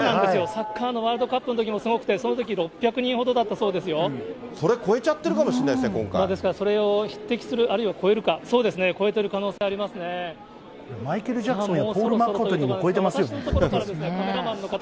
サッカーのワールドカップのときもすごくて、そのとき６００人ほどだったそうそれ超えちゃってるかもしれですから、それに匹敵する、あるいは超えるか、そうですね、マイケル・ジャクソンやポール・マッカートニーも超えてますよね。